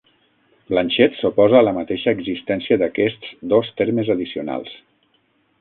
Blanchet s'oposa a la mateixa existència d'aquests dos termes addicionals.